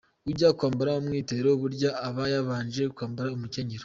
Ujya kwambara umwitero burya aba yabanje kwambara umukenyero.